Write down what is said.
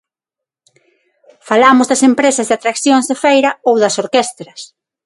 Falamos das empresas de atraccións de feira ou das orquestras.